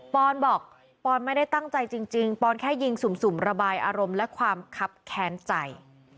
อนบอกปอนไม่ได้ตั้งใจจริงปอนแค่ยิงสุ่มระบายอารมณ์และความคับแค้นใจ